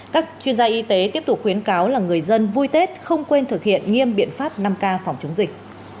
các chuyên gia y tế tiếp tục khuyến cáo là người dân vui tết không quên thực hiện nghiêm biện pháp năm k phòng chống dịch